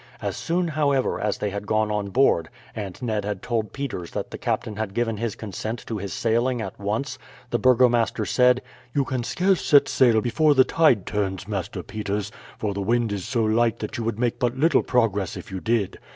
As soon, however, as they had gone on board, and Ned had told Peters that the captain had given his consent to his sailing at once, the burgomaster said: "You can scarce set sail before the tide turns, Master Peters, for the wind is so light that you would make but little progress if you did.